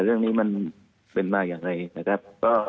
เรื่องนี้มันเป็นมายังไงนะครับ